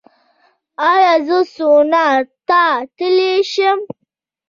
ایا زه سونا ته تلی شم؟